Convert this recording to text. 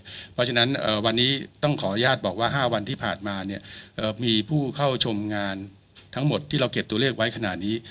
เพราะฉะนั้นวันนี้ต้องขออนุญาตบอกว่า๕วันที่ผ่านมาเนี่ยมีผู้เข้าชมงานทั้งหมดที่เราเก็บตัวเลขไว้ขนาดนี้